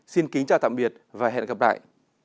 xin kính chào tạm biệt và hẹn gặp lại